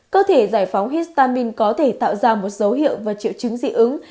cơ thể giải phóng histamin có thể tạo ra một dấu hiệu và triệu chứng dị ứng